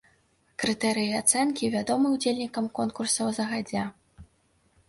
Крытэрыі ацэнкі вядомы ўдзельнікам конкурсаў загадзя.